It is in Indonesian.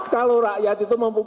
kalau rakyat itu